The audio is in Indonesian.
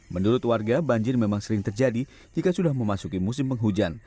menurut warga banjir memang sering terjadi jika sudah memasuki musim penghujan